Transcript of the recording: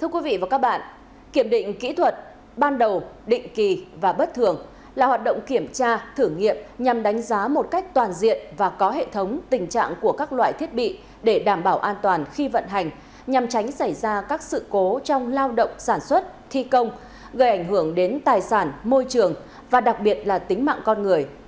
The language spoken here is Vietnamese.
thưa quý vị và các bạn kiểm định kỹ thuật ban đầu định kỳ và bất thường là hoạt động kiểm tra thử nghiệm nhằm đánh giá một cách toàn diện và có hệ thống tình trạng của các loại thiết bị để đảm bảo an toàn khi vận hành nhằm tránh xảy ra các sự cố trong lao động sản xuất thi công gây ảnh hưởng đến tài sản môi trường và đặc biệt là tính mạng con người